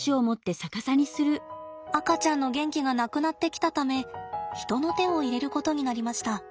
赤ちゃんの元気がなくなってきたため人の手を入れることになりました。